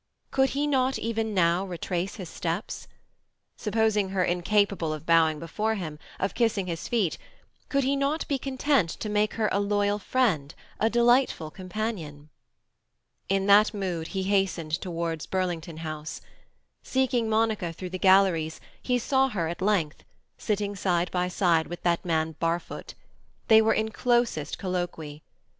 Could he not even now retrace his steps? Supposing her incapable of bowing before him, of kissing his feet, could he not be content to make of her a loyal friend, a delightful companion? In that mood he hastened towards Burlington House. Seeking Monica through the galleries, he saw her at length—sitting side by side with that man Barfoot. They were in closest colloquy.